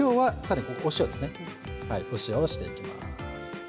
塩をしていきます。